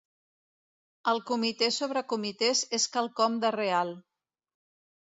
El comitè sobre comitès és quelcom de real.